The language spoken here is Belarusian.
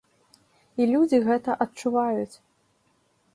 І людзі гэта адчуваюць.